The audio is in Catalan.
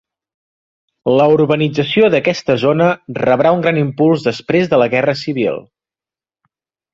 La urbanització d'aquesta zona rebrà un gran impuls després de la guerra civil.